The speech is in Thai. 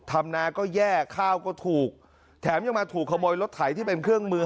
นาก็แย่ข้าวก็ถูกแถมยังมาถูกขโมยรถไถที่เป็นเครื่องมือ